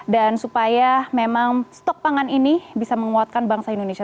dan supaya memang stok pangan ini bisa menguatkan bangsa indonesia